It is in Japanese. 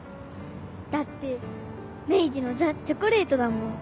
だって明治の「ザ・チョコレート」だもん。